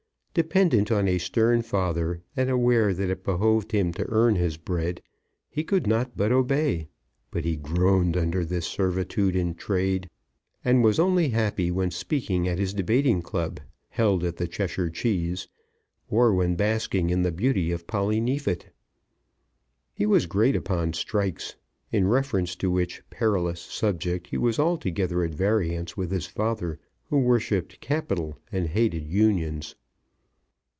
Dependent on a stern father, and aware that it behoved him to earn his bread, he could not but obey; but he groaned under this servitude to trade, and was only happy when speaking at his debating club, held at the Cheshire Cheese, or when basking in the beauty of Polly Neefit. He was great upon Strikes, in reference to which perilous subject he was altogether at variance with his father, who worshipped capital and hated unions.